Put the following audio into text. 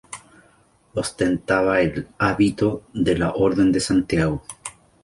Ostentaba el hábito de la Orden de Santiago.